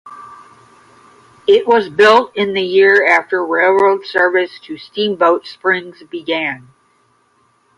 It was built in the year after railroad service to Steamboat Springs began.